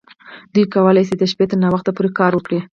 دوی کولی شي د شپې تر ناوخته پورې کار وکړي